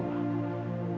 untuk yang terakhir ini